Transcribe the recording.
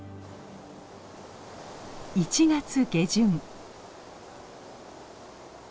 １月下旬。